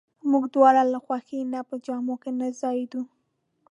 موږ دواړه له خوښۍ نه په جامو کې نه ځایېدو.